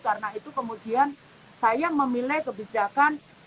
karena itu kemudian saya memilih kebijakan